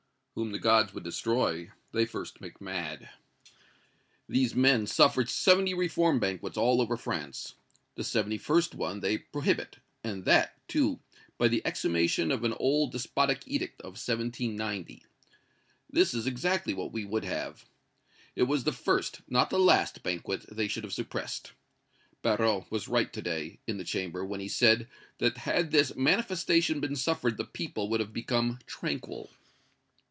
"'Whom the gods would destroy, they first make mad.' These men suffered seventy reform banquets all over France. The seventy first one they prohibit, and that, too, by the exhumation of an old despotic edict of 1790. This is exactly what we would have. It was the first, not the last banquet they should have suppressed. Barrot was right to day, in the Chamber, when he said that had this manifestation been suffered the people would have become tranquil."